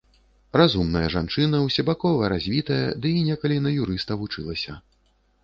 Разумная жанчына, усебакова развітая, ды і некалі на юрыста вучылася.